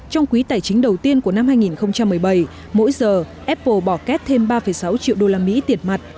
trong quý tài chính đầu tiên của năm hai nghìn một mươi bảy mỗi giờ apple bỏ két thêm ba sáu triệu usd tiền mặt